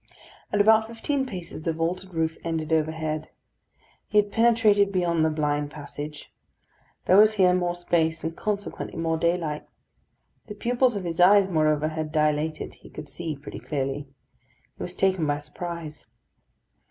At about fifteen paces the vaulted roof ended overhead. He had penetrated beyond the blind passage. There was here more space, and consequently more daylight. The pupils of his eyes, moreover, had dilated; he could see pretty clearly. He was taken by surprise.